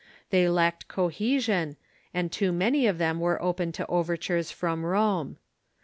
They lacked cohesion, and too many of them were open to overtures from Rome.